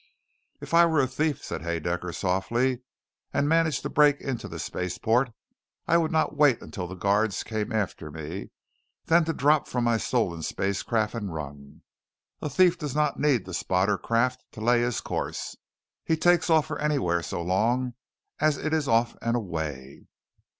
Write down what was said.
"If I were a thief," said Haedaecker softly, "And managed to break into the spaceport, I would not wait until the guards came after me, then to drop from my stolen spacecraft and run! A thief does not need the spotter craft to lay his course. He takes off for anywhere so long as it is off and away.